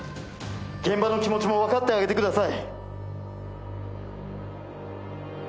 現場の気持ちも分かってあげてください。